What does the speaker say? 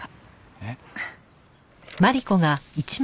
えっ？